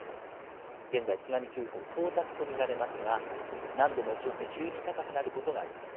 現在、津波注意報、到達と見られますが、何度も押し寄せ、急に高くなることがあります。